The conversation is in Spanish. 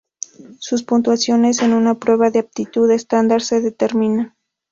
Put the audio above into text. Sus puntuaciones en una prueba de aptitud estándar se determinan.